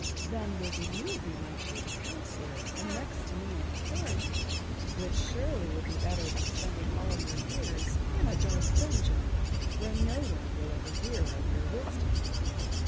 Then would you be my chief counsellor and next to me in authority, which surely would be better than spending all your years in a dark dungeon where no one will ever hear of your wisdom.